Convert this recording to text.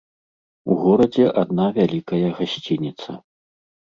У горадзе адна вялікая гасцініца.